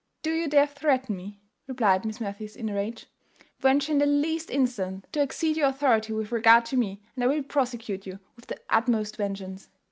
"Do you dare threaten me?" replied Miss Matthews in a rage. "Venture in the least instance to exceed your authority with regard to me, and I will prosecute you with the utmost vengeance."